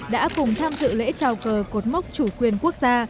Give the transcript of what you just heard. đã cùng tham dự lễ trào cờ cột mốc chủ quyền quốc gia